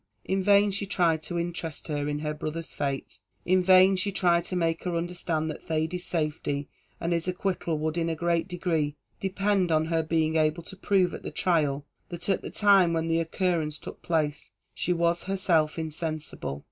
In vain she tried to interest her in her brother's fate in vain she tried to make her understand that Thady's safety that his acquittal would, in a great degree, depend on her being able to prove, at the trial, that at the time when the occurrence took place, she was herself insensible.